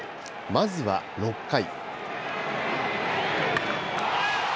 まずは６回。